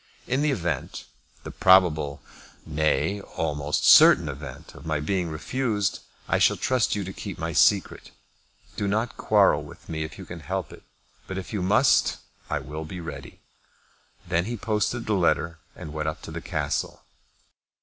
In the event, the probable, nay, almost certain event of my being refused, I shall trust you to keep my secret. Do not quarrel with me if you can help it; but if you must I will be ready." Then he posted the letter and went up to the Castle.